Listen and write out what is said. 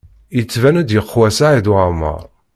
Yettban-d yeqwa Saɛid Waɛmaṛ.